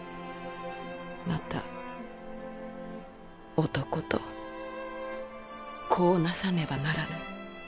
また男と子をなさねばならぬ。